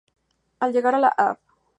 Al llegar a la Av.